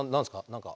何か。